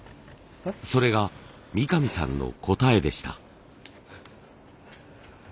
それが三上さんの答えでした。